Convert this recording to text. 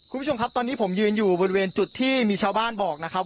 คุณผู้ชมครับตอนนี้ผมยืนอยู่บริเวณจุดที่มีชาวบ้านบอกนะครับ